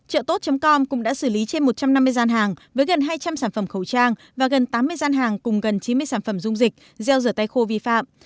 trợtốt com cũng đã xử lý trên một trăm năm mươi gian hàng với gần hai trăm linh sản phẩm khẩu trang và gần tám mươi gian hàng cùng gần chín mươi sản phẩm dung dịch gel rửa tay khô vi phạm